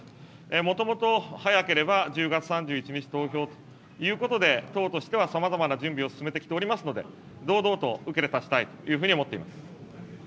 もともと早ければ１０月３１日投票ということで、党としてはさまざまな準備を進めてきておりますので、堂々と受けて立ちたいというふうに思っています。